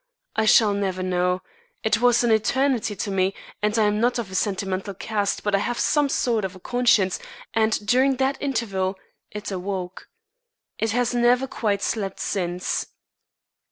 I shall never know. It was an eternity to me and I am not of a sentimental cast, but I have some sort of a conscience and during that interval it awoke. It has never quite slept since.